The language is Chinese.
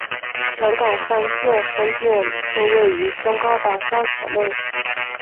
全港三间分店都位于中高档商场内。